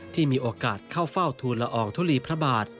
ที่มีโอกาสเข้าเฝ้าทูลละอองทุลีพระบาท